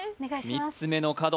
３つ目の角